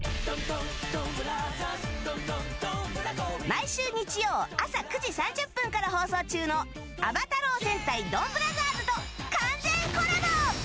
毎週日曜朝９時３０分から放送中の「暴太郎戦隊ドンブラザーズ」と完全コラボ！